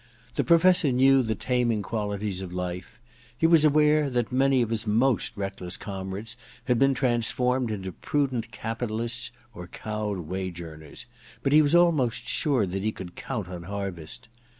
The Professor knew the taming qualities of life. He was aware that many of his most reckless comrades had been transformed into prudent capitalists or cowed wage earners ; but he was almost sure 10 II THE DESCENT OF MAN 1 1 that he could count on Harviss.